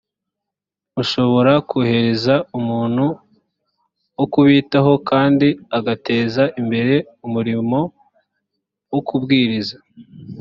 mushobora kohereza umuntu wo kubitaho kandi agateza imbere umurimo wo kubwiriza